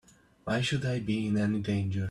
Why should I be in any danger?